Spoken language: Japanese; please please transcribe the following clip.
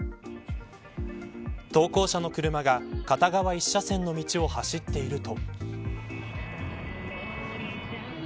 投稿者の車が片側１車線の道を走っていると。